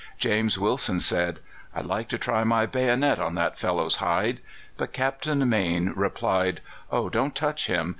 James Wilson said: "I'd like to try my bayonet on that fellow's hide;" but Captain Mayne replied: "Oh, don't touch him.